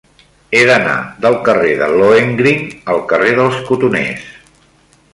He d'anar del carrer de Lohengrin al carrer dels Cotoners.